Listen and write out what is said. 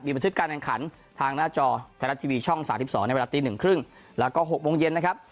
บันทึกการแข่งขันทางหน้าจอไทยรัฐทีวีช่อง๓๒ในเวลาตีหนึ่งครึ่งแล้วก็๖โมงเย็นนะครับ